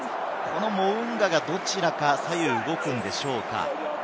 モウンガが、どちらに左右に動くのでしょうか？